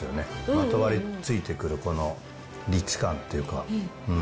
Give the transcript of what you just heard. まとわりついてくるこのリッチ感っていうか。